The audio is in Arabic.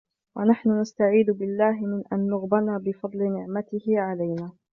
وَنَحْنُ نَسْتَعِيذُ بِاَللَّهِ مِنْ أَنْ نُغْبَنَ بِفَضْلِ نِعْمَتِهِ عَلَيْنَا